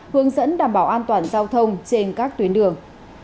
hướng dẫn đảm bảo an toàn giao thông trên các tuyến đường